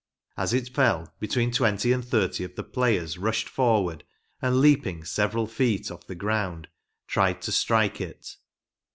As it fell, between twenty and thirty of the players rushed forward, and leaping several feet oflf the ground, tried to strike it.